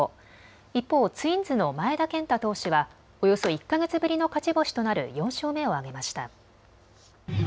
一方、ツインズの前田健太投手はおよそ１か月ぶりの勝ち星となる４勝目を挙げました。